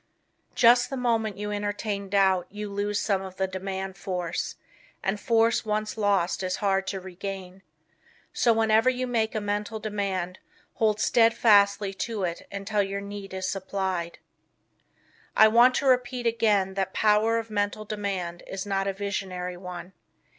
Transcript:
Just the moment you entertain "doubt" you lose some of the demand force, and force once lost is hard to regain. So whenever you make a mental demand hold steadfastly to it until your need is supplied. I want to repeat again that Power of Mental Demand is not a visionary one.